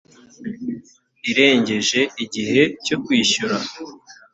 irengeje igihe cyo kwishyura